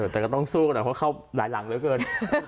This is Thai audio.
แต่ก็ต้องสู้กันหน่อยเพราะเข้าหลายหลังเหลือเกิน